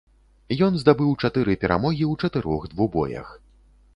Ён здабыў чатыры перамогі ў чатырох двубоях.